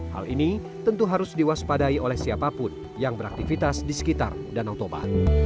hal ini tentu harus diwaspadai oleh siapapun yang beraktivitas di sekitar danau toba